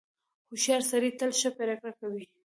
• هوښیار سړی تل ښه پرېکړه کوي.